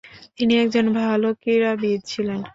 তিনি একজন ভালো ক্রীড়াবিদ ছিলেন।